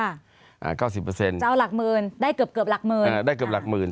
อ่าเก้าสิบเปอร์เซ็นจะเอาหลักหมื่นได้เกือบเกือบหลักหมื่นอ่าได้เกือบหลักหมื่น